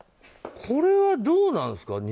これはどうなんですか？